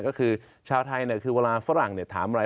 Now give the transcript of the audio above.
ก็คือชาวไทยคือเวลาฝรั่งถามอะไร